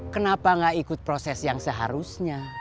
kenapa gak ikut proses yang seharusnya